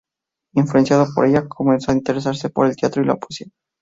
Influenciado por ella, comenzó a interesarse por el teatro y la poesía.